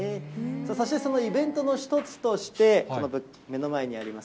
そしてそのイベントの一つとして、目の前にあります